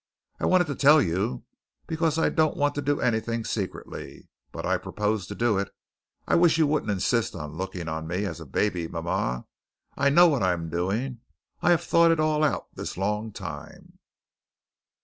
I wanted to tell you because I don't want to do anything secretly, but I propose to do it. I wish you wouldn't insist on looking on me as a baby, mama. I know what I am doing. I have thought it all out this long time."